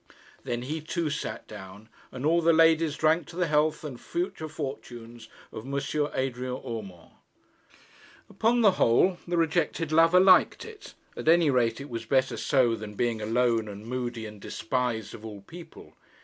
Then he too sat down, and all the ladies drank to the health and future fortunes of M. Adrian Urmand. Upon the whole the rejected lover liked it. At any rate it was better so than being alone and moody and despised of all people.